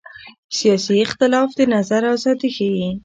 سیاسي اختلاف د نظر ازادي ښيي